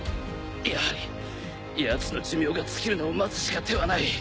やはりヤツの寿命が尽きるのを待つしか手はない。